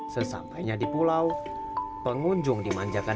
sesampainya di pulau pengunjung dimanjakan